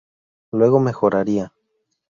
Luego mejoraría.